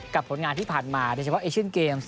ผลงานที่ผ่านมาโดยเฉพาะเอเชียนเกมส์